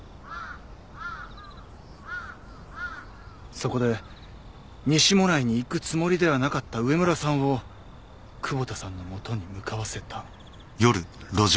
そこで西馬音内に行くつもりではなかった上村さんを窪田さんの元に向かわせた。